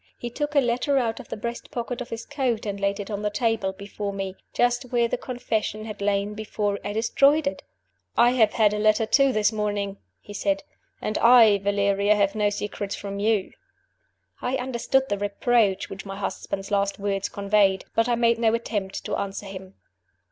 He took a letter out of the breast pocket of his coat and laid it on the table before me just where the Confession had lain before I destroyed it! "I have had a letter too this morning," he said. "And I, Valeria, have no secrets from you." I understood the reproach which my husband's last words conveyed; but I made no attempt to answer him.